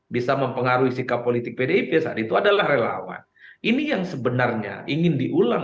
bisa mempengaruhi sikap politik pdip saat itu adalah relawan ini yang sebenarnya ingin diulang